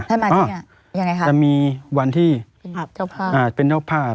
ท่านมาที่ไหนยังไงครับมีวันที่ครับเจ้าภาพอ่าเป็นเจ้าภาพ